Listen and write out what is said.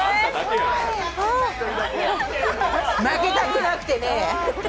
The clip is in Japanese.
負けたくなくてねえ。